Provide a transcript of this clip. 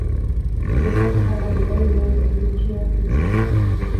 Decisions are ideally made in mutual consent.